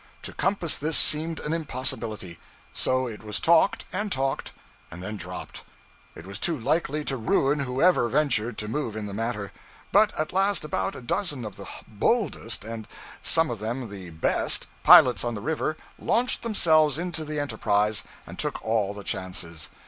To compass this seemed an impossibility; so it was talked, and talked, and then dropped. It was too likely to ruin whoever ventured to move in the matter. But at last about a dozen of the boldest and some of them the best pilots on the river launched themselves into the enterprise and took all the chances.